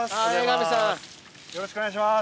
よろしくお願いします。